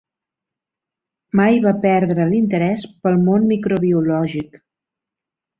Mai va perdre l'interès pel món microbiològic.